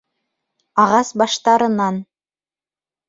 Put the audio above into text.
Ағас баштарынан.